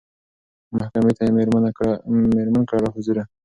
محکمې ته یې مېرمن کړه را حضوره